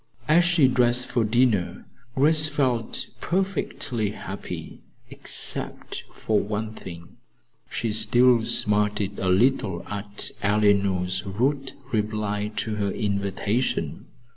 As she dressed for dinner, Grace felt perfectly happy except for one thing. She still smarted a little at Eleanor's rude reply to her invitation.